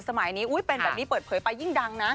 สมัยนี้เป็นแบบนี้เปิดเผยไปยิ่งดังนะ